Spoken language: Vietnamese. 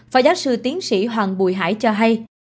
phó giáo sư tiến sĩ hoàng bùi hải cho hay